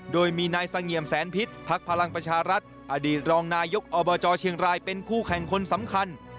โดยมีนายเสงี่ยมแสนพิษภักดิ์พลังประชารัฐอดีตรองนายกอบจเชียงรายเป็นคู่แข่งคนสำคัญ